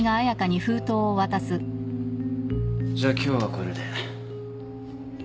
じゃあ今日はこれで。